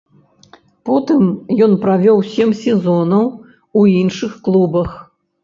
Потым ён правёў сем сезонаў у іншых клубах.